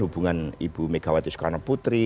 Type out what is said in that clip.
hubungan ibu megawati soekarno putri